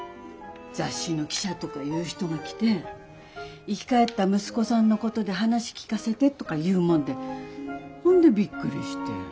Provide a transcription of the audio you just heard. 雑誌の記者とかいう人が来て「生き返った息子さんのことで話聞かせて」とか言うもんでほんでびっくりして。